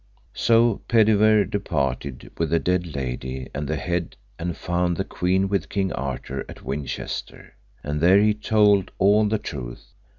So Pedivere departed with the dead lady and the head, and found the queen with King Arthur at Winchester, and there he told all the truth.